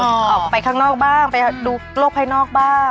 ออกไปข้างนอกบ้างไปดูโลกภายนอกบ้าง